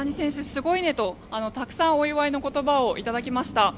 すごいねとたくさんお祝いの言葉を頂きました。